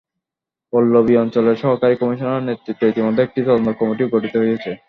পল্লবী অঞ্চলের সহকারী কমিশনারের নেতৃত্বে ইতিমধ্যে একটি তদন্ত কমিটিও গঠিত হয়েছে।